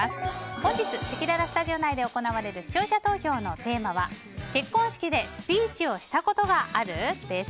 本日、せきららスタジオ内で行われる視聴者投票のテーマは結婚式でスピーチをしたことがある？です。